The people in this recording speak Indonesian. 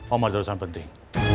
omar ada urusan penting